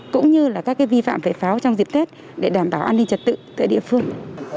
cũng như là các vi phạm về pháo trong dịp tết để đảm bảo an ninh trật tự tại địa phương